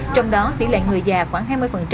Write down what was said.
trong đó tỷ lệ người già khoảng hai mươi